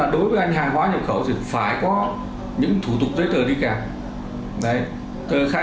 đối với mặt hàng kinh doanh có điều kiện thì thông tư số bốn là phải là coi như là